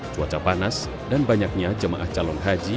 cuaca panas dan banyaknya jemaah calon haji